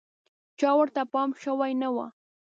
چا ورته پام شوی نه و.